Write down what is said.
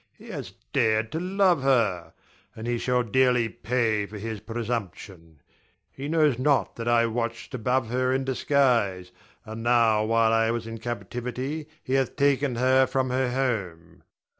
He has dared to love her; and he shall dearly pay for his presumption. He knows not that I watched above her in disguise; and now while I was in captivity he hath taken her from her home.